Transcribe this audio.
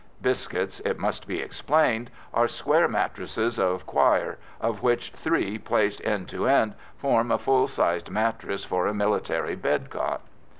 Biscuits, it must be explained, are square mattresses of coir, of which three, placed end to end, form a full sized mattress for a military bed cot.